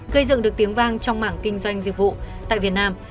gây dựng được tiếng vang trong mảng kinh doanh dịch vụ tại việt nam